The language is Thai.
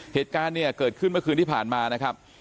เหตุการณ์เนี่ยเกิดขึ้นเมื่อคืนที่ผ่านมานะครับ